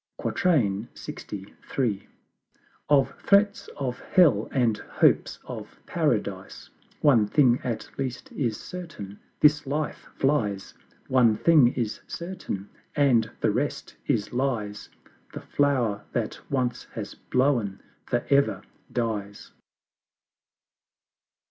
LXIII. Of threats of Hell and Hopes of Paradise! One thing at least is certain This Life flies; One thing is certain and the rest is Lies; The Flower that once has blown for ever dies.